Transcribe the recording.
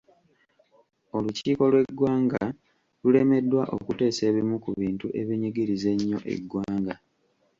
Olukiiko lw'eggwanga lulemeddwa okuteesa ebimu ku bintu ebinyigiriza ennyo eggwanga.